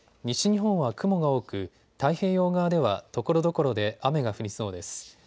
西日本は雲が多く太平洋側ではところどころで雨が降りそうです。